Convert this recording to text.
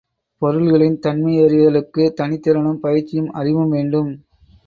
பொருள்களின் தன்மையறிதலுக்குத் தனித்திறனும் பயிற்சியும், அறிவும் வேண்டும்.